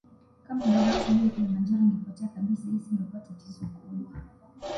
Kama barafu juu ya Kilimanjaro ingepotea kabisa hii isingekuwa tatizo kubwa